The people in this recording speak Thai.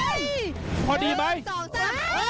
เฮยกตำบล